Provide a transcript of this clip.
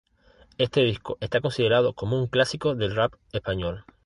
Este disco está considerado como un clásico del rap español.